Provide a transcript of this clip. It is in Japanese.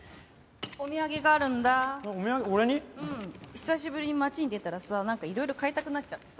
久しぶりに街に出たらさなんかいろいろ買いたくなっちゃってさ。